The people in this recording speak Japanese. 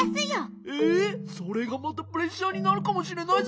えそれがまたプレッシャーになるかもしれないぜ。